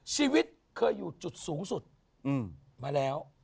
ชีวิตเคยอยู่จุดสูงสุดมาแล้ว